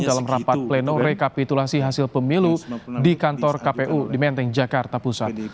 dalam rapat pleno rekapitulasi hasil pemilu di kantor kpu di menteng jakarta pusat